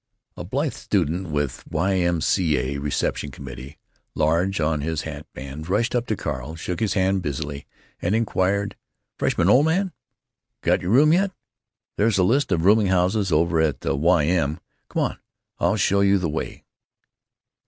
A blithe student with "Y. M. C. A. Receptn. Com." large on his hat band, rushed up to Carl, shook his hand busily, and inquired: "Freshman, old man? Got your room yet? There's a list of rooming houses over at the Y. M. Come on, I'll show you the way."